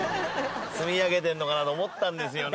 積み上げてんのかなと思ったんですよね。